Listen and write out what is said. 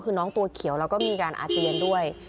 คือน้องตัวเขียวแล้วก็มีการอาเจียนด้วย